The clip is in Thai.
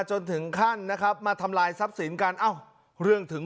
จนถึงขั้นนะครับมาทำลายทรัพย์สินกันเอ้าเรื่องถึง